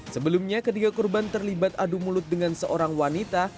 sebelumnya ketiga korban terlibat adu mulut dengan seorang wanita